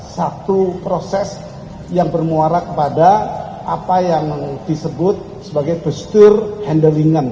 satu proses yang bermuara kepada apa yang disebut sebagai besture handling